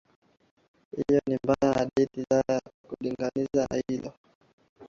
na hiyo ni mbaya zaidi hata ukilizingatia hilo